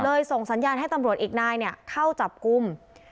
เลยส่งสัญญาณให้ตำรวจอีกนายเนี่ยเข้าจับกุม